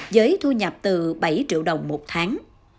với thu nhập từ bảy triệu đồng một tháng